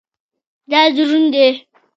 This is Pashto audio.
دا دروند دی